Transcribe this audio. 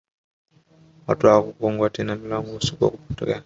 Watu hawakugongewa tena milango usiku na kupotea